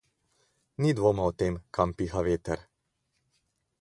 Ni dvoma o tem, kam piha veter.